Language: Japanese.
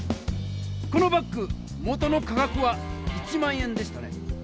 このバッグ元の価格は１００００円でしたね？